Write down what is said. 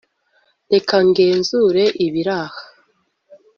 reka ngenzure ibiraha